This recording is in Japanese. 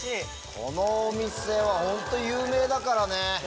このお店は本当有名だからね。